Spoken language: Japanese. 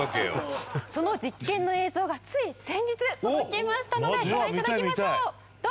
その実験の映像がつい先日届きましたのでご覧頂きましょう。